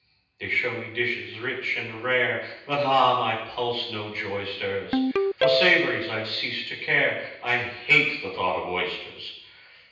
They show me dishes rich and rare, But ah! my pulse no joy stirs, For savouries I've ceased to care, I hate the thought of oysters.